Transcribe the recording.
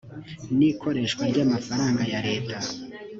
n ikoreshwa ry amafaranga ya leta